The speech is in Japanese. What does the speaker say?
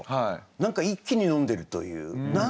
何か一気に飲んでるという。